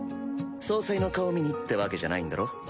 総裁の顔見にってわけじゃないんだろ？